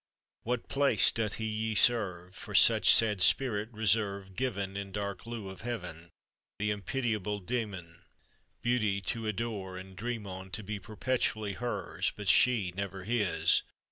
"What place doth He ye serve For such sad spirit reserve, Given, In dark lieu of Heaven, "The impitiable Dæmon, Beauty, to adore and dream on, To be Perpetually "Hers, but she never his?